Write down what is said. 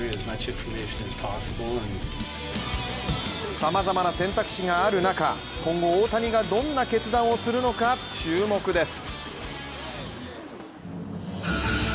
さまざまな選択肢がある中今後大谷がどんな決断をするのか注目です。